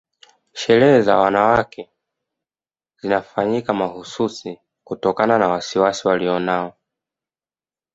Sherehe za wanawake zinafanyika mahususi kutokana na wasiwasi walionao